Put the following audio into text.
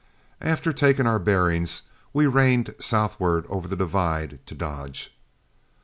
After taking our bearings, we reined southward over the divide to Dodge.